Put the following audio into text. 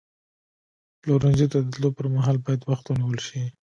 پلورنځي ته د تللو پر مهال باید وخت ونیول شي.